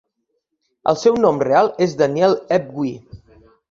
El seu nom real és Danielle Ebguy.